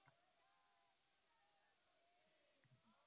Oy quyoshdan nur oladi.